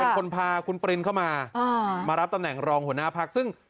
เป็นคนพาคุณปรินเข้ามามารับตำแหน่งรองหัวหน้าพักซึ่ง